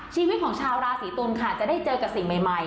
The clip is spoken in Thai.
ชีวิตของชาวราศีตุลค่ะจะได้เจอกับสิ่งใหม่